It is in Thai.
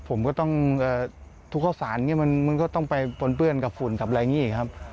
ผมก็ต้องเอ่อทุกข้อสารเนี้ยมันมันก็ต้องไปปล้นเปื้อนกับฝุ่นกับอะไรอย่างงี้ครับ